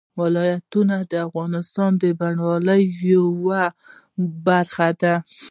ولایتونه د افغانستان د بڼوالۍ یوه برخه ده.